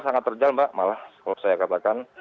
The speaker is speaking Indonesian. sangat terjal mbak malah kalau saya katakan